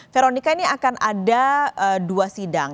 veronica ini akan ada dua sidang